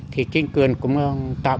thì chính quyền cũng tạo